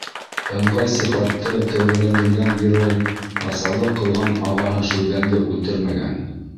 Ыңғай сифатты кәүҙәләндергән герой насарлыҡ ҡылған ағаһы Шүлгәнде үлтермәгән.